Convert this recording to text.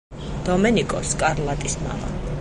დომენიკო სკარლატის მამა.